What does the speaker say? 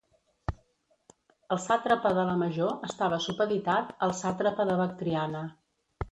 El sàtrapa de la major estava supeditat al sàtrapa de Bactriana.